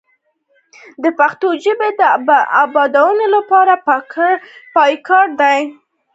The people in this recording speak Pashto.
د پښتو ژبې د بډاینې لپاره پکار ده چې سبکپېژندنه ښه شي.